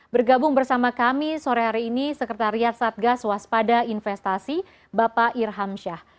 bergabung bersama kami sore hari ini sekretariat satgas waspada investasi bapak irham syah